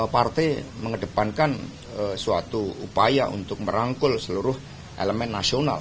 partai mengedepankan suatu upaya untuk merangkul seluruh elemen nasional